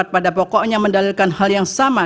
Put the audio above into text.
pada pokoknya mendalilkan hal yang sama